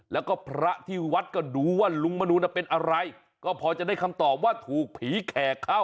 แล้วก็พระที่วัดก็ดูว่าลุงมนูนเป็นอะไรก็พอจะได้คำตอบว่าถูกผีแขกเข้า